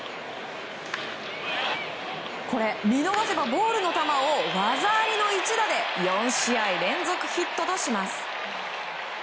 見逃せばボールの球を技ありの一打で４試合連続ヒットとします。